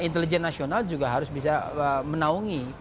intelijen nasional juga harus bisa menaungi